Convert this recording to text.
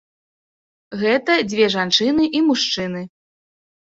Гэта дзве жанчыны і мужчыны.